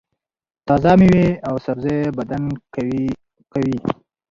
تازه مېوې او سبزۍ بدن قوي کوي.